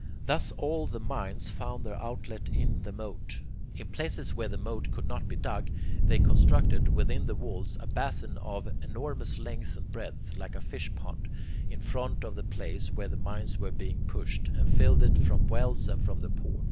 Thus all the mines found their outlet in the moat. In places where the moat could not be dug they constructed, within the walls, a basin of enormous length and breadth, like a fish pond, in front of the place where the mines were being pushed, and filled it from wells and from the port.